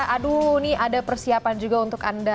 aduh ini ada persiapan juga untuk anda